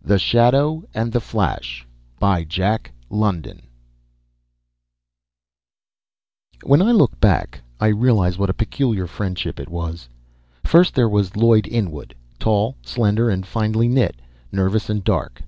THE SHADOW AND THE FLASH When I look back, I realize what a peculiar friendship it was. First, there was Lloyd Inwood, tall, slender, and finely knit, nervous and dark.